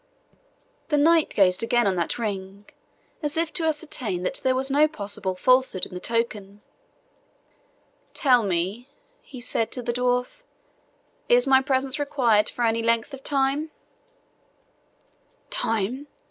The knight gazed again on that ring, as if to ascertain that there was no possible falsehood in the token. "Tell me," he said to the dwarf, "is my presence required for any length of time?" "Time!"